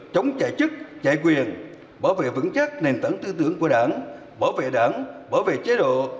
chống chạy chức chạy quyền bảo vệ vững chắc nền tảng tư tưởng của đảng bảo vệ đảng bảo vệ chế độ